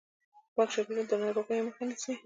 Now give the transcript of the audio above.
پاک چاپیریال د ناروغیو مخه نیسي.